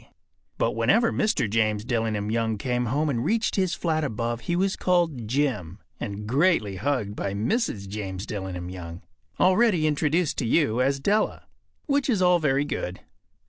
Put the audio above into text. But whenever Mr. James Dillingham Young came home and reached his flat above he was called “Jim” and greatly hugged by Mrs. James Dillingham Young, already introduced to you as Della. Which is all very good.